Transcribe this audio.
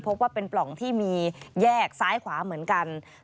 พบว่าเป็นปล่องที่มีแยกซ้ายขวาเหมือนกัน